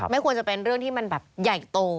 ควรจะเป็นเรื่องที่มันแบบใหญ่โต